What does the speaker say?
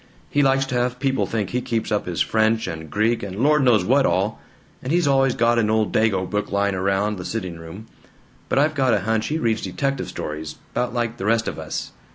He likes to have people think he keeps up his French and Greek and Lord knows what all; and he's always got an old Dago book lying around the sitting room, but I've got a hunch he reads detective stories 'bout like the rest of us.